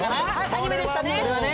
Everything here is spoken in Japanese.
アニメでしたねはい。